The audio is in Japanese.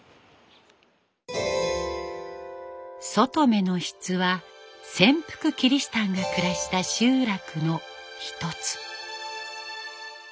海の出津は潜伏キリシタンが暮らした集落の一つ。